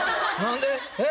何で？